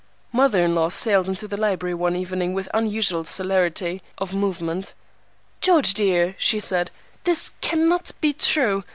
Mother in law sailed into the library one evening with unusual celerity of movement. "George, dear," she said, "this cannot be true!